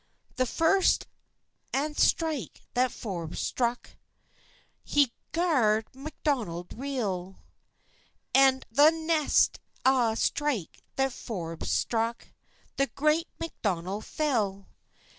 The first ae straik that Forbës strack, He garrt Macdonell reel; An the neist ae straik that Forbës strack, The great Macdonell fell.